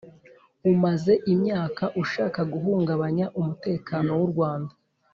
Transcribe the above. umaze imyaka ushaka guhungabanya umutekano w’u rwanda,